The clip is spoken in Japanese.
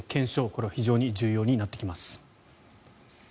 これは非常に重要になってきます。